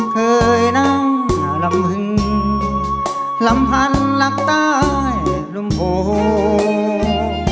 เคยนั่งลำพึงลำพันรักตายตนโพง